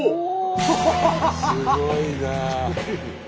すごいな。